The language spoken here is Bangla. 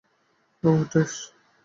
ওহ, টেস।